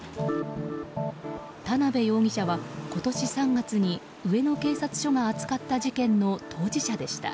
田辺容疑者は、今年３月に上野警察署が扱った事件の当事者でした。